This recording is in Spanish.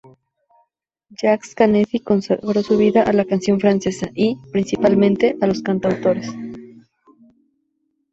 Jacques Canetti consagró su vida a la canción francesa y, principalmente, a los cantautores.